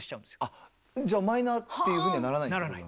あっじゃあマイナーっていうふうにはならない？ならない。